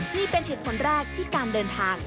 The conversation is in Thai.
นี่เป็นเหตุผลแรกที่การเดินทาง